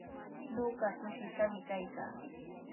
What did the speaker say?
Ñuqa kushishqami kaykaa.